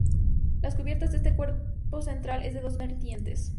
La cubierta de este cuerpo central es de dos vertientes.